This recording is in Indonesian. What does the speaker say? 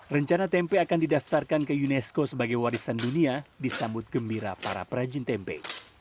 rencana tempe akan didaftarkan ke unesco sebagai warisan dunia disambut gembira para perajin tempe